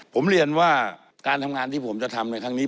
ผมเรียนว่าการทำงานที่ผมจะทำในครั้งนี้